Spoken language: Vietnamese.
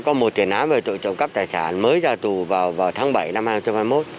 có một tiền án về tội trộm cắp tài sản mới ra tù vào tháng bảy năm hai nghìn hai mươi một